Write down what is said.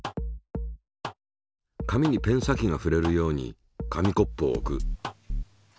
紙にペン先がふれるように紙コップを置く。